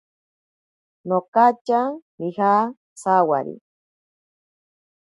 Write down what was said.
Nonkatya nija sawari.